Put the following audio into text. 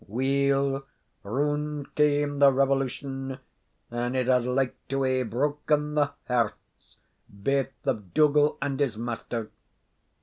Weel, round came the Revolution, and it had like to hae broken the hearts baith of Dougal and his master.